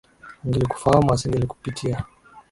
Angelikufahamu asingelikupita.